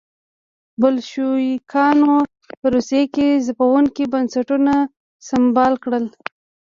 بلشویکانو په روسیه کې ځپونکي بنسټونه سمبال کړل.